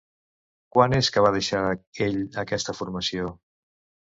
Quan és que va deixar ell aquesta formació?